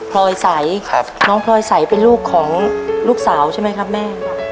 พลอยใสน้องพลอยใสเป็นลูกของลูกสาวใช่ไหมครับแม่